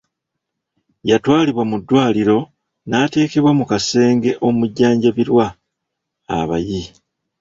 Yatwalibwa mu ddwaliro n'ateekebwa mu kasenge omujjanjabirwa abayi.